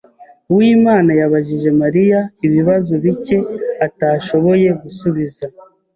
Uwimana yabajije Mariya ibibazo bike atashoboye gusubiza.